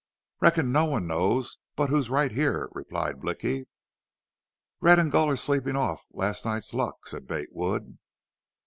"Reckon no one knows but who's right here," replied Blicky. "Red an' Gul are sleepin' off last night's luck," said Bate Wood.